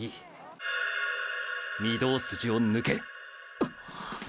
御堂筋を抜け。っ！！